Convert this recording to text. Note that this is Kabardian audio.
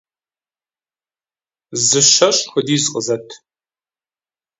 - Зы щэщӏ хуэдиз къызэт.